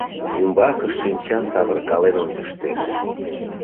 Ӱмбакышт шинчам савыркален ончыштеш.